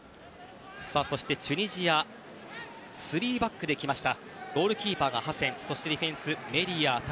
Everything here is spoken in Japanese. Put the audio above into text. そしてチュニジア３バックで来ました。